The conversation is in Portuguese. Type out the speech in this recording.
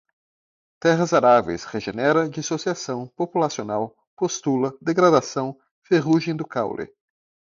terras aráveis, regenera, dissociação, populacional, postula, degradação, ferrugem do caule